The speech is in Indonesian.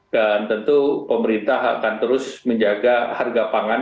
dan tentu pemerintah akan terus menjaga harga perbelanjaan